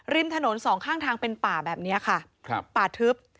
ริมถนนสองข้างทางเป็นป่าแบบนี้ค่ะครับป่าทึบ